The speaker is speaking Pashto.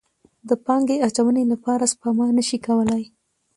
د پانګې اچونې لپاره سپما نه شي کولی.